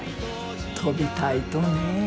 飛びたいとね。